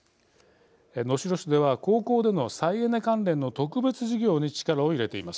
能代市では、高校での再エネ関連の特別授業に力を入れています。